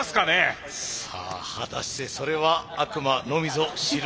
さあ果たしてそれは悪魔のみぞ知るところです。